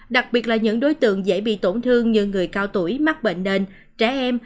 đặc biệt là những đối tượng dễ bị tổn thương như người cao tuổi mắc bệnh nền trẻ em